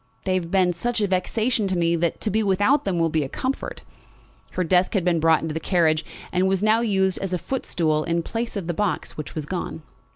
They have been such a vexation to me that to be without them will be a comfort." Her desk had been brought into the carriage and was now used as a foot stool in place of the box which was gone.